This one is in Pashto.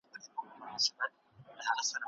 شفټ یا د کاري وخت بدلون هم رول لري.